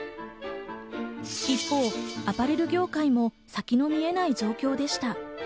一方、アパレル業界も先の見えない状況でした。